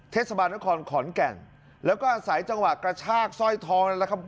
เทศบาลนครขอนแก่นแล้วก็อาศัยจังหวะกระชากสร้อยทองนั่นแหละครับ